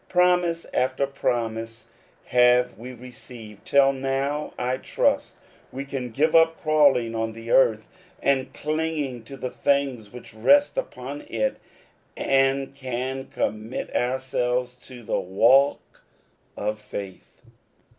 Promise after promise have we received, till now, I trust, we can give up crawling on the earth, and clinging to the things which rest upon it, and can commit ourselves to the walk of faith.